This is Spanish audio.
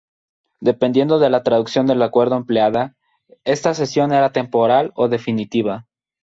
Dependiendo de la traducción del acuerdo empleada, esta cesión era temporal, o definitiva.